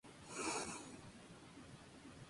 Constantino V le sucedió con Irene como emperatriz.